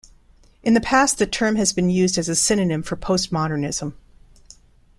In the past the term has been used as a synonym for Postmodernism.